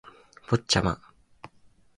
ポッチャマ